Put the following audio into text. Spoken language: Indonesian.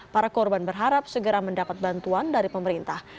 para korban berharap segera mendapat bantuan dari pemerintah